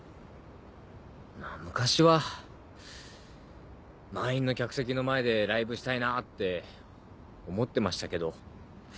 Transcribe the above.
昔は満員の客席の前でライブしたいなって思ってましたけど。